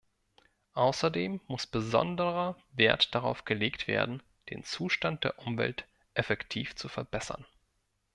Außerdem muss besonderer Wert darauf gelegt werden, den Zustand der Umwelt effektiv zu verbessern.